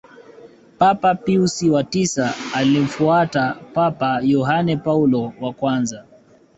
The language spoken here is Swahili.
papa pius wa tisa alimfuata Papa yohane paulo wa kwanza